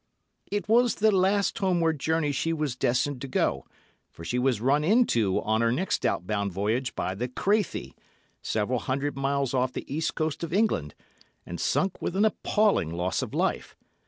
It was the last homeward journey she was destined to go, for she was run into on her next outward voyage by the "Crathie," several hundred miles off the East Coast of England, and sunk with an appalling loss of life.